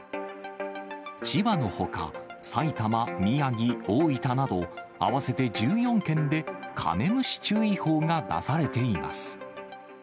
千葉のほか、埼玉、宮城、大分など、合わせて１４県で、カメムシ注意報が出されています。